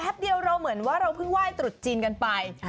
เดียวเราเหมือนว่าเราเพิ่งไหว้ตรุษจีนกันไป